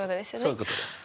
そういうことです。